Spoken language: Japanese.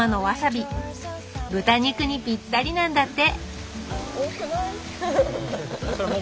豚肉にぴったりなんだって多くない？